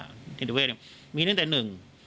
จิตเตอร์เพศเนี่ยมีเนื่องแต่หนึ่ง